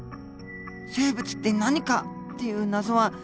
「生物って何か」っていう謎はす